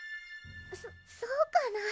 そそうかな